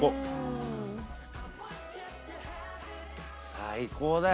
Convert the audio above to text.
最高だよ。